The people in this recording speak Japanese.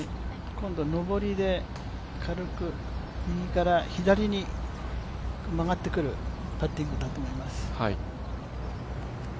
今度、上りで軽く右から左に曲がってくるパッティングだと思います。